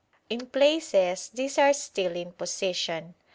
In places these are still in position.